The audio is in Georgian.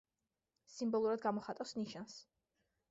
სიმბოლურად გამოხატავს ნიშანს.